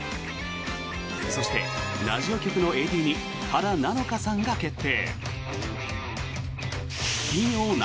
そして、ラジオ局のＡＤに原菜乃華さんが決定！